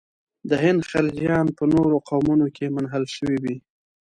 د هند خلجیان په نورو قومونو کې منحل شوي وي.